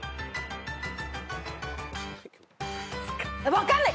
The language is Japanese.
分かんない！